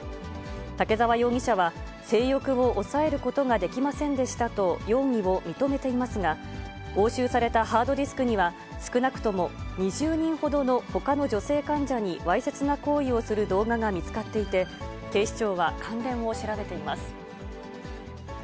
竹沢容疑者は性欲を抑えることができませんでしたと、容疑を認めていますが、押収されたハードディスクには、少なくとも２０人ほどのほかの女性患者にわいせつな行為をする動画が見つかっていて、警視庁は、関連を調べています。